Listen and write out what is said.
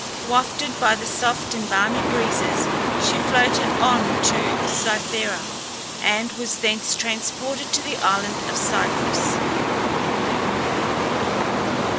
Wafted by the soft and balmy breezes, she floated on to Cythera, and was thence transported to the island of Cyprus.